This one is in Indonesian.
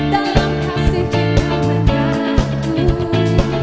dalam kasihnya menjagaku